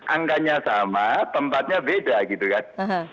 angkanya sama tempatnya beda gitu kan